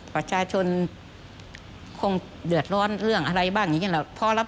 ประชาชนคงเดือดร้อนเรื่องอะไรบ้างอย่างนี้แหละ